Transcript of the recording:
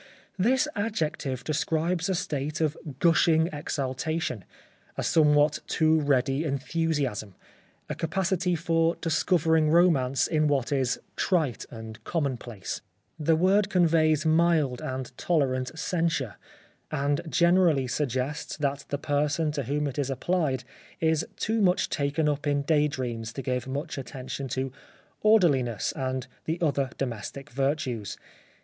This adjective describes a state of gushing exaltation, a somewhat too ready enthusiasm, a capacity for discovering romance in what is trite and commonplace. The word conveys mild and tolerant censure, and generally suggests that the c 33 The Life of Oscar Wilde person to whom it is applied is too much taken up in daydreams to give much attention to orderhness and the other domestic virtues.